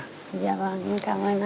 dạ vâng em cảm ơn anh